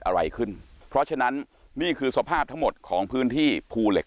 อะไรขึ้นเพราะฉะนั้นนี่คือสภาพทั้งหมดของพื้นที่ภูเหล็ก